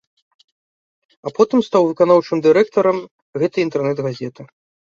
А потым стаў выканаўчым дырэктарам гэтай інтэрнэт-газеты.